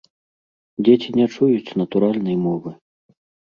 Дзеці не чуюць натуральнай мовы.